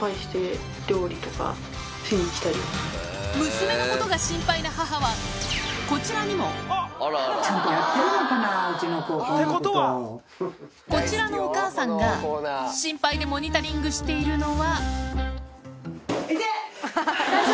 娘のことが心配な母はこちらにもこちらのお母さんが心配でモニタリングしているのは痛っ！